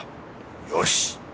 よし。